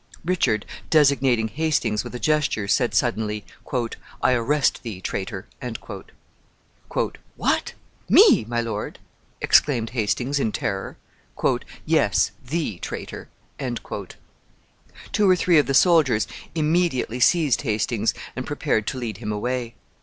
Richard, designating Hastings with a gesture, said suddenly, "I arrest thee, traitor." "What! me, my lord?" exclaimed Hastings, in terror. "Yes, thee, traitor." Two or three of the soldiers immediately seized Hastings and prepared to lead him away.